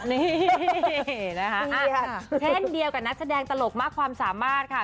นี่นะคะเช่นเดียวกับนักแสดงตลกมากความสามารถค่ะ